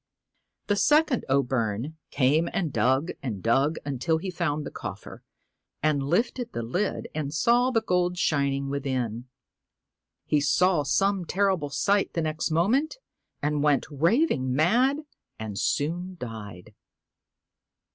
The second O' Byrne came and dug and dug until he found the coffer, and lifted the lid and saw the gold shining within. He saw some horrible sight the next moment, and went raving mad and soon died.